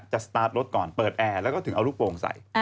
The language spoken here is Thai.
สตาร์ทรถก่อนเปิดแอร์แล้วก็ถึงเอาลูกโปรงใส่